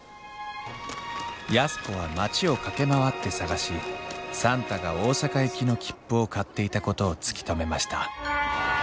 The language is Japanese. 安子は町を駆け回って捜し算太が大阪行きの切符を買っていたことを突き止めました。